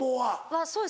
そうですね。